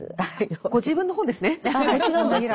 ご自分の本ですね。